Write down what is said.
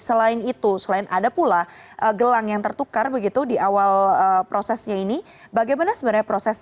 selain itu selain ada pula gelang yang tertukar begitu di awal prosesnya ini bagaimana sebenarnya proses